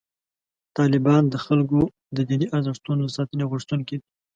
طالبان د خلکو د دیني ارزښتونو د ساتنې غوښتونکي دي.